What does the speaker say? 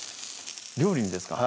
料理にですか？